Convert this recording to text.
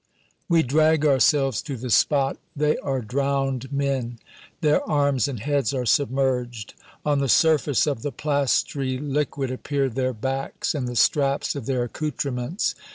We drag ourselves to the spot. They are drowned men. Their arms and heads are submerged. On the surface of the plastery liquid appear their backs and the straps of their accouterments.